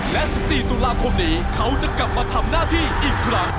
และ๑๔ตุลาคมนี้เขาจะกลับมาทำหน้าที่อีกครั้ง